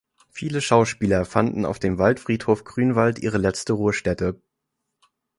Viele Schauspieler fanden auf dem Waldfriedhof Grünwald ihre letzte Ruhestätte.